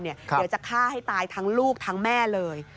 เดี๋ยวจะฆ่าให้ตายทั้งลูกทั้งแม่เลย